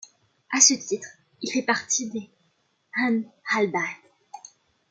À ce titre, il fait partie des Ahl al-bayt.